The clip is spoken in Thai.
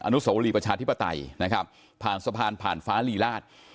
นุสวรีประชาธิปไตยนะครับผ่านสะพานผ่านฟ้าลีราช